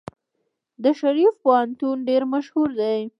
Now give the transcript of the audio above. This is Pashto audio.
د شریف پوهنتون ډیر مشهور دی.